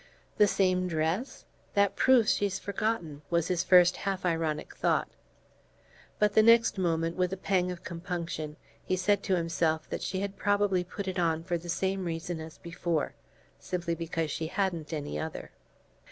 "The same dress? That proves that she's forgotten!" was his first half ironic thought; but the next moment, with a pang of compunction, he said to himself that she had probably put it on for the same reason as before: simply because she hadn't any other.